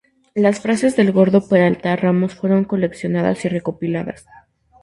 Las frases del "Gordo" Peralta Ramos fueron coleccionadas y recopiladas.